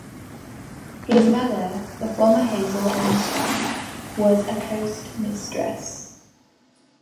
His mother, the former Hazel Armstrong, was a postmistress.